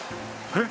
えっ！